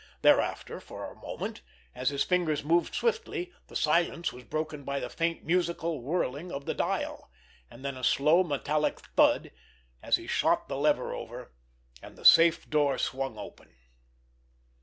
Thereafter for a moment, as his fingers moved swiftly, the silence was broken by the faint, musical whirling of the dial—and then a low, metallic thud, as he shot the lever over—and the safe door swung open.